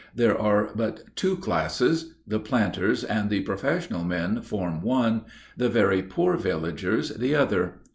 There are but two classes. The planters and the professional men form one; the very poor villagers the other.